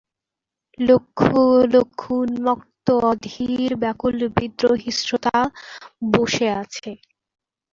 Principal staff officer Bangladesh সশস্ত্র বাহিনী বিভাগের প্রধান।